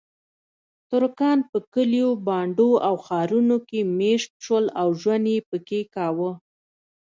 ترکان په کلیو، بانډو او ښارونو کې میشت شول او ژوند یې پکې کاوه.